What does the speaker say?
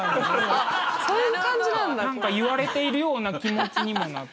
なんか言われているような気持ちにもなって。